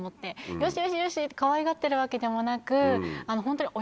よしよしよしかわいがってるわけでもなく。